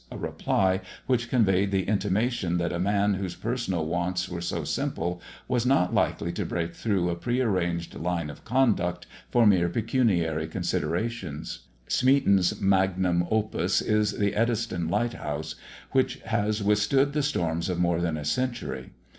a reply which conveyed the intimation that a man whose personal wants were so simple, was not likely to break through a pre arranged line of conduct for mere pecuniary considerations. Smeaton's magnum opus is the Eddystone lighthouse, which has withstood the storms of more than a century.